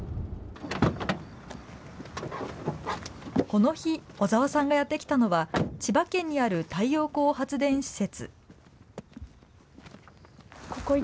この日、小澤さんがやって来たのは、千葉県にある太陽光発電施設。